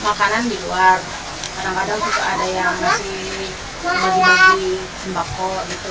makanan di luar kadang kadang ada yang masih lagi lagi sembako gitu